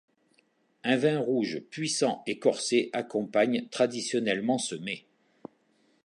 Un vin rouge puissant et corsé accompagne traditionnellement ce mets.